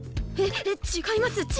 え違います